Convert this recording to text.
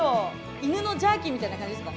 犬のジャーキーみたいな感じですか？